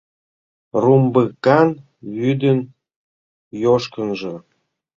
Румбыкан вӱдын йошкынжо